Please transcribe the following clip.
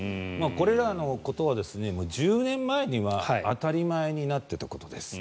これらのことは、１０年前には当たり前になっていたことです。